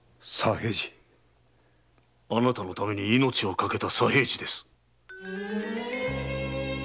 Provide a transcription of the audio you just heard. あなたのために命を賭けた左平次です。